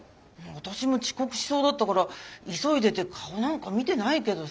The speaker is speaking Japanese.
私も遅刻しそうだったから急いでて顔なんか見てないけどさ。